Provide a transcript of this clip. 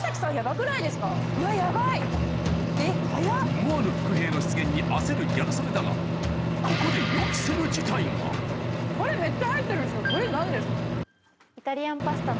思わぬ伏兵の出現に焦るギャル曽根だがここでめっちゃ入ってるんですけどこれ何ですか？